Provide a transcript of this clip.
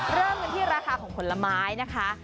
เริ่มกันที่ราคาของผลไม้นะคะ